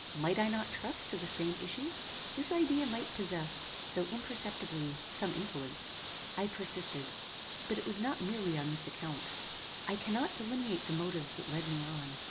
Might I not trust to the same issue? This idea might possess, though imperceptibly, some influence. I persisted; but it was not merely on this account. I cannot delineate the motives that led me on.